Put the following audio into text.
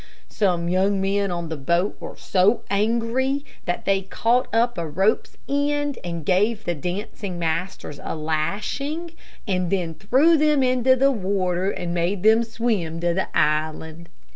Some young men on the boat were so angry that they caught up a rope's end, and gave the dancing masters a lashing, and then threw them into the water and made them swim to the island.